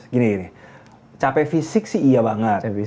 gini gini capek fisik sih iya banget